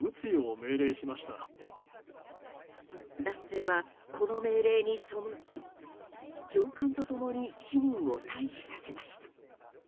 男性はこの命令に背き上官と共に市民を退避させました。